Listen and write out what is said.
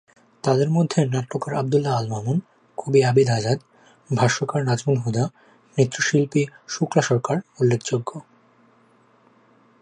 তাদের মধ্যে নাট্যকার আব্দুল্লাহ আল মামুন, কবি আবিদ আজাদ, ভাষ্যকার নাজমুল হুদা, নৃত্য শিল্পী শুক্লা সরকার উল্লেখযোগ্য।